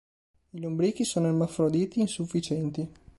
I lombrichi sono ermafroditi insufficienti.